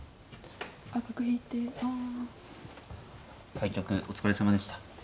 対局お疲れさまでした。